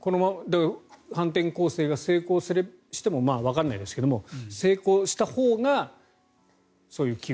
反転攻勢が成功してもわからないですけど成功したほうがそういう機運が。